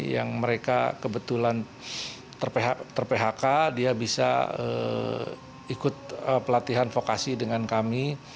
yang mereka kebetulan ter phk dia bisa ikut pelatihan vokasi dengan kami